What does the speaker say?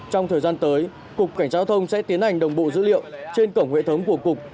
trong thời gian tới cục cảnh sát giao thông sẽ tiến hành đồng bộ dữ liệu trên cổng hệ thống của cục